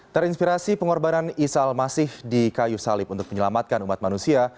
terinspirasi pengorbanan isal masih di kayu salib untuk menyelamatkan umat manusia